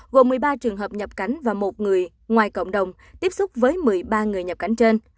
gồm một mươi ba trường hợp nhập cảnh và một người ngoài cộng đồng tiếp xúc với một mươi ba người nhập cảnh trên